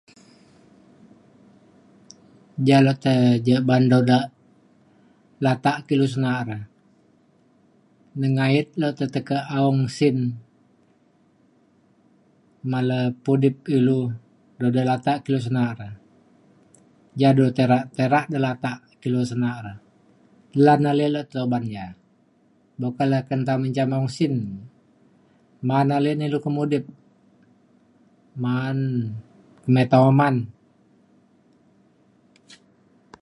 ja le te ja ba’an dau de da latak kulu cin na’a re nengayet le te tekak aong sin male pudip ilu de dau latak kulu cin na’a re. ja dua tirak tirak de latak kulu cin na’a re. lan ale le te uban ja buk ka le ke nta menjam maong sin ma’an ale ne ilu kemudip ma’an mita uman